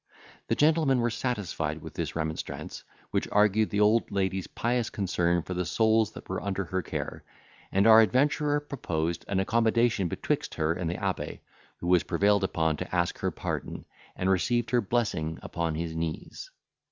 The gentlemen were satisfied with this remonstrance, which argued the old lady's pious concern for the souls that were under her care, and our adventurer proposed an accommodation betwixt her and the abbe, who was prevailed upon to ask her pardon, and received her blessing upon his knees.